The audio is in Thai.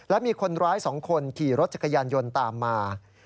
และมีคนร้าย๒คนขี่รถจักรยานยนต์ตามมา